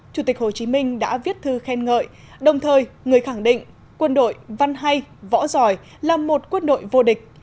chủ tịch hồ chí minh đã viết thư khen ngợi đồng thời người khẳng định quân đội văn hay võ giỏi là một quân đội vô địch